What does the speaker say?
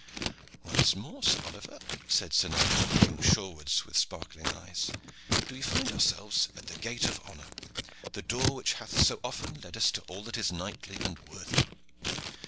"Once more, Sir Oliver," said Sir Nigel, looking shorewards with sparkling eyes, "do we find ourselves at the gate of honor, the door which hath so often led us to all that is knightly and worthy.